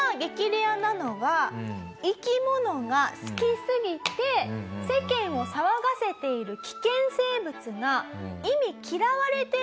レアなのは生き物が好きすぎて世間を騒がせているああ。